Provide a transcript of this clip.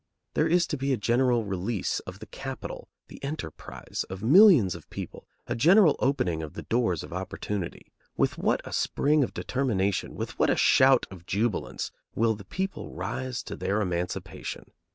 There is to be a general release of the capital, the enterprise, of millions of people, a general opening of the doors of opportunity. With what a spring of determination, with what a shout of jubilance, will the people rise to their emancipation!